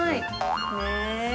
ねえ！